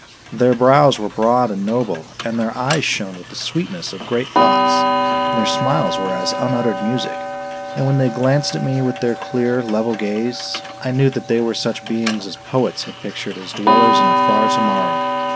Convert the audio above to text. Their brows were broad and noble, and their eyes shone with the sweetness of great thoughts, and their smiles were as unuttered music; and when they glanced at me with their clear, level gaze, I knew that they were such beings as poets had pictured as dwellers in a far tomorrow.